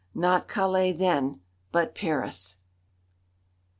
Not Calais, then, but Paris!